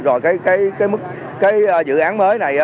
rồi cái dự án mới này